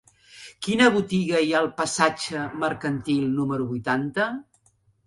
Quina botiga hi ha al passatge Mercantil número vuitanta?